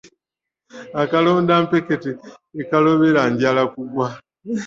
Akalondampeke, tekalobera njala kugwa.